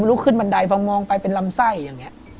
มาลุกขึ้นบันดาลมานี่